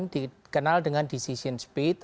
dikenal dengan decision speed